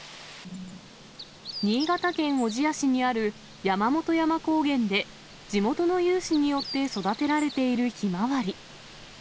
新潟県小千谷市にある山本山高原で、地元の有志によって育てられているヒマワリ。